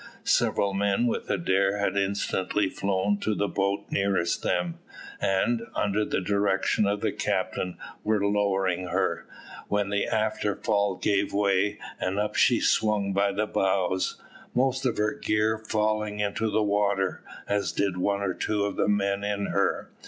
Several men with Adair had instantly flown to the boat nearest them, and, under the direction of the captain, were lowering her, when the after fall gave way, and up she hung by the bows, most of her gear falling into the water, as did one of the two men in her.